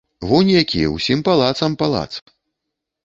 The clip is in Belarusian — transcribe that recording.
Вунь які, усім палацам палац!